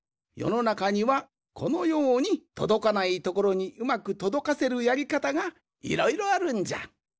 よのなかにはこのようにとどかないところにうまくとどかせるやりかたがいろいろあるんじゃ。